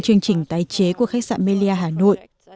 chương trình tái chế của khách sạn melia hà nội